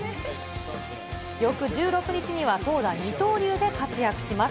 翌１６日には、投打二刀流で活躍します。